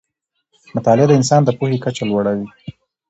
مطالعه د انسان د پوهې کچه لوړه وي